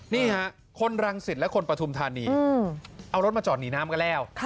นี่ฮะคนรังสิตและคนปฐุมธานีเอารถมาจอดหนีน้ำกันแล้ว